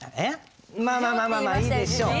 まあまあいいでしょう。